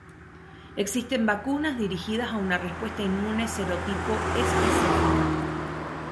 Existen vacunas dirigidas a una respuesta inmune serotipo específica.